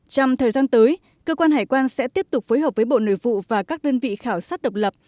trong thời gian tới cơ quan hải quan sẽ tiếp tục phối hợp với bộ nội vụ và các đơn vị khảo sát độc lập